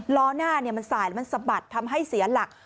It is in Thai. ล้อหน้ามันสายแล้วมันสะบัดทำให้เสียหลัก